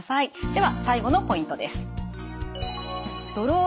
では最後のポイントです。